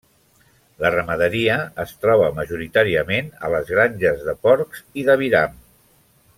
La ramaderia es troba majoritàriament a les granges de porcs i d'aviram.